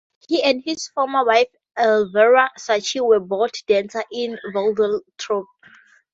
He and his former wife Elvera Sanchez were both dancers in a vaudeville troupe.